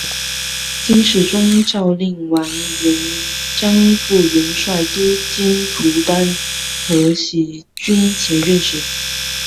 金世宗诏令完颜璋赴元帅都监徒单合喜军前任使。